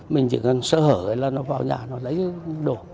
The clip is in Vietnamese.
mình chỉ cần sợ hỡi là nó vào nhà nó lấy đồ